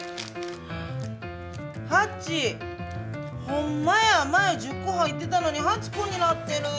７、８、ほんまや、前１０個入ってたのに、８個になってる。